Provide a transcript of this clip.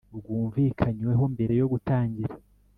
bwumvikanyweho mbere yo gutangira